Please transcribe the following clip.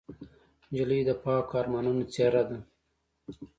نجلۍ د پاکو ارمانونو څېره ده.